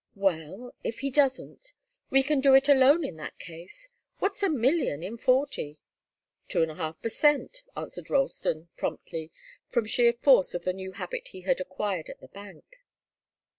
"Well if he doesn't? We can do it alone in that case. What's a million in forty?" "Two and a half per cent," answered Ralston, promptly, from sheer force of the new habit he had acquired at the bank.